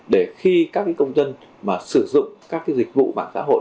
để khi các công dân sử dụng các dịch vụ bảng xã hội